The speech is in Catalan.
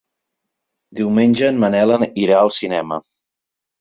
Diumenge en Manel irà al cinema.